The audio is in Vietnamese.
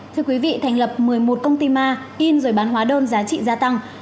thưa quý vị thành lập một mươi một công ty ma in rồi bán hóa đơn giá trị gia tăng